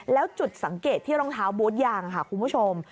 แล้วจุดสังเกตที่รองเท้าบูธยางค่ะคุณผู้ชม